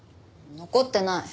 残ってない。